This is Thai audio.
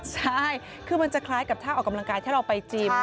ใช่คือมันจะคล้ายกับท่าออกกำลังกายถ้าเราไปจิม